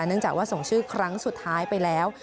เนื่องจากว่าส่งชื่อครั้งสุดท้ายไปแล้ว